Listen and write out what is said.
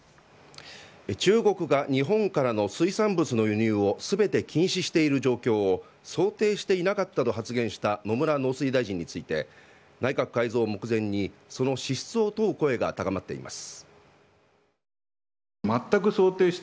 中国が日本からの水産物の輸入を全て禁止している状況を想定していなかったと発言した野村農水大臣について内閣改造を目前にその資質を問う声が高まっています。